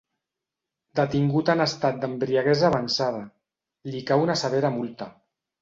Detingut en estat d'embriaguesa avançada, li cau una severa multa.